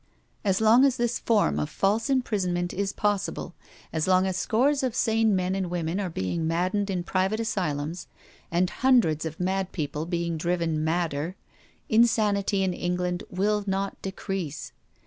As long as this form of false imprisonment is possible, as long as scores of sane men and women are being maddened in private asylums, and hundreds of mad people being driven madder, insanity in England will not decrease.